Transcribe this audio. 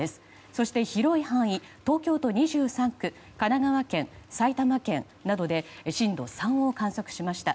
そして広い範囲東京都２３区、神奈川県埼玉県などで震度３を観測しました。